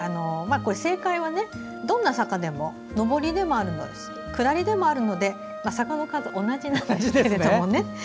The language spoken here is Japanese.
これ、正解は、どんな坂でも上りでも下りでもあるので坂の数は同じなんですけれどもね。